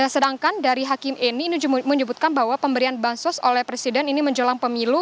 sedangkan dari hakim ini menyebutkan bahwa pemberian bansos oleh presiden ini menjelang pemilu